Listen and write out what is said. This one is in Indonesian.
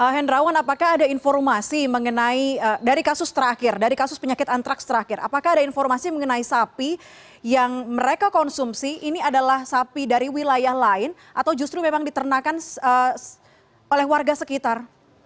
hendrawan apakah ada informasi mengenai dari kasus terakhir dari kasus penyakit antraks terakhir apakah ada informasi mengenai sapi yang mereka konsumsi ini adalah sapi dari wilayah lain atau justru memang diternakan oleh warga sekitar